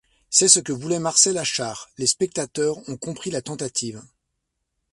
C’est ce que voulait Marcel Achard… Les spectateurs ont compris la tentative.